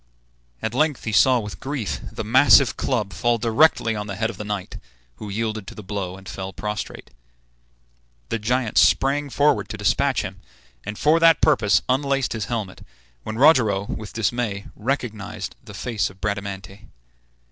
At length he saw with grief the massive club fall directly on the head of the knight, who yielded to the blow, and fell prostrate. The giant sprang forward to despatch him, and for that purpose unlaced his helmet, when Rogero, with dismay, recognized the face of Bradamante.